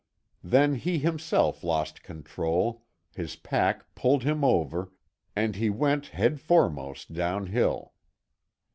Then he himself lost control, his pack pulled him over, and he went head foremost down hill.